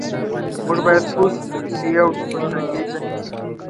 موږ باید پوه شو چې د روسیې او برټانیې جنګ کې.